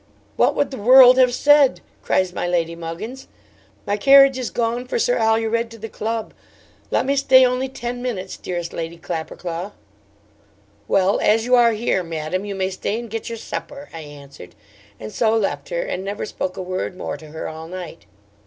"What would the world have said?" cries my Lady Muggins: "my carriage is gone for Sir Alured to the Club; let me stay only ten minutes, dearest Lady Clapperclaw." '"Well as you are here, madam, you may stay and get your supper," I answered, and so left her, and never spoke a word more to her all night.